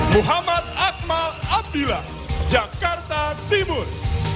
muhammad akmal abdillah jakarta timur